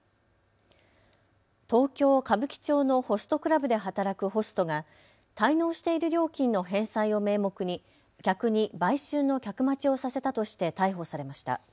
東京歌舞伎町のホストクラブで働くホストが滞納している料金の返済を名目に客に売春の客待ちをさせたとして逮捕されました。